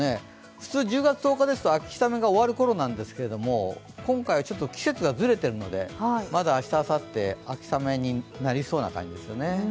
普通１０月１０日ですと秋雨が終わるころなんですが今回はちょっと季節がずれてるので、まだ明日、あさって秋雨になりそうな感じですよね。